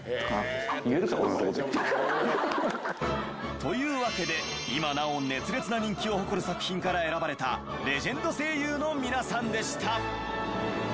というわけで今なお熱烈な人気を誇る作品から選ばれたレジェンド声優の皆さんでした。